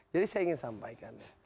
jadi saya ingin sampaikan